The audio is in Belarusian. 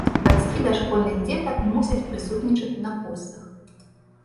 Бацькі дашкольных дзетак мусяць прысутнічаць на курсах.